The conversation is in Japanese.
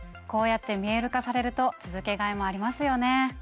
こうやって見える化されると続けがいもありますよね。